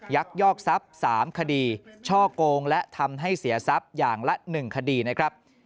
ยักยอกทรัพย์๓คดีช่อกงและทำให้เสียทรัพย์อย่างละ๑คดีนะครับ